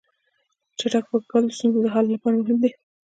چټک فکر کول د ستونزو د حل لپاره مهم دي.